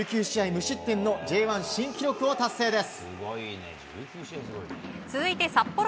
無失点のＪ１新記録を達成です。